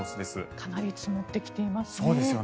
かなり積もってきていますね。